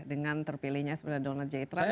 dengan terpilihnya sebenarnya donald j trump